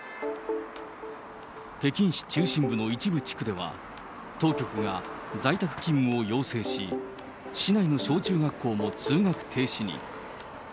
北京市中心部の一部地区では、当局が在宅勤務を要請し、市内の小中学校も通学停止に。